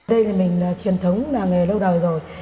đây thì mình là truyền thống làm nghề lâu đời rồi